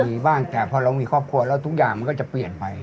มีบ้างแต่พอเรามีครอบครัวแล้วทุกอย่างมันก็จะเปลี่ยนไป